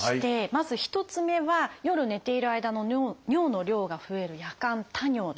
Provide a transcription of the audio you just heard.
まず１つ目は夜寝ている間の尿の量が増える「夜間多尿」です